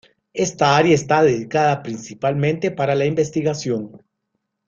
Esta área está dedicada principalmente para la investigación.